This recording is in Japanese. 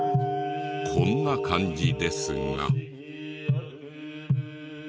こんな感じですが。